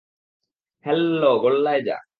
Harlow গোল্লায় যাক।